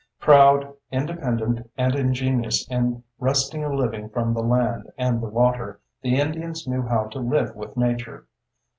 Proud, independent, and ingenious in wresting a living from the land and the water, the Indians knew how to live with nature.